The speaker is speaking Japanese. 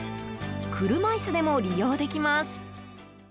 車椅子でも利用できます。